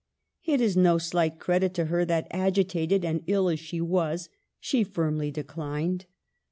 It is no slight credit to her that, agitated and ill as she was, she firmly declined.